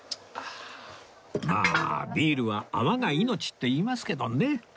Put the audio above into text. まあビールは泡が命っていいますけどね